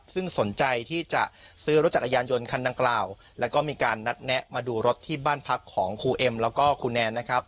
ซึ่งสนใจที่จะซื้อรถจักรยานยนต์คันดังกล่าวแล้วก็มีการนัดแนะมาดูรถที่บ้านพักของครูเอ็มแล้วก็ครูแนนนะครับ